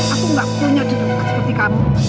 aku gak punya duduk seperti kamu